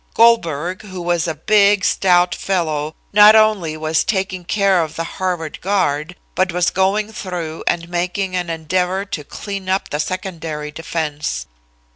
Goldberg, who was a big, stout fellow, not only was taking care of the Harvard guard, but was going through and making an endeavor to clean up the secondary defense.